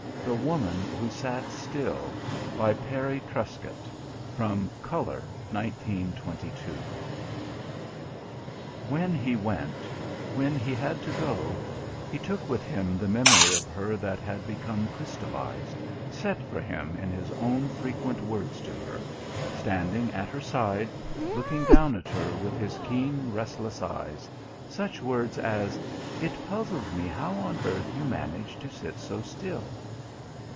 THE WOMAN WHO SAT STILL By PARRY TRUSCOTT (From Colour) 1922 When he went, when he had to go, he took with him the memory of her that had become crystallised, set for him in his own frequent words to her, standing at her side, looking down at her with his keen, restless eyes such words as: "It puzzles me how on earth you manage to sit so still...."